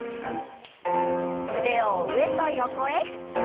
腕を上と横へ。